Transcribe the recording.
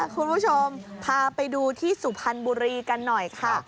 คุณผู้ชมพาไปดูที่สุพรรณบุรีกันหน่อยค่ะ